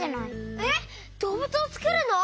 えっどうぶつをつくるの！？